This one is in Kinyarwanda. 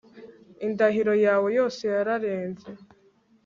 indahiro yawe yose yararenze